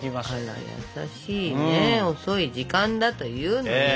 あら優しいね遅い時間だというのに。